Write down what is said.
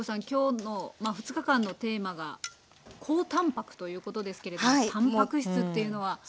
今日の２日間のテーマが高たんぱくということですけれどもたんぱく質というのは。